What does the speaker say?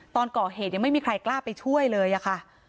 ตอนก่อเหตุยังไม่มีใครกล้าไปช่วยเลยอะค่ะ